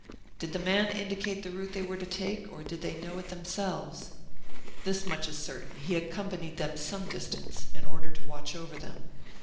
Did the man indicate the route they were to take, or did they know it themselves? This much is certain, he accompanied them some distance, in order to watch over them.